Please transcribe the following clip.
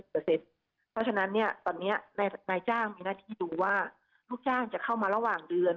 เพราะฉะนั้นตอนนี้นายจ้างมีหน้าที่ดูว่าลูกจ้างจะเข้ามาระหว่างเดือน